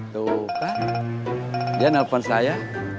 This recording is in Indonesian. tuh kan dia nelfon saya